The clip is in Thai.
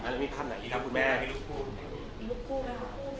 แล้วมีภาพไหนนะครับดูแม่